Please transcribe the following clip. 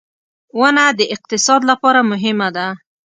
• ونه د اقتصاد لپاره مهمه ده.